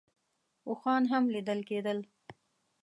اوښان هم لیدل کېدل.